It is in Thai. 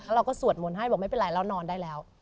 เราก็สวดมนต์ให้บอกไม่เป็นไรเรานอนได้แล้ว